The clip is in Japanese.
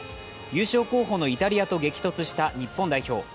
優勝候補のイタリアと激突した日本代表。